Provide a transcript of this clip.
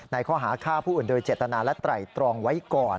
ข้อหาฆ่าผู้อื่นโดยเจตนาและไตรตรองไว้ก่อน